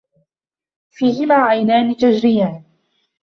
فيهِما عَينانِ تَجرِيانِ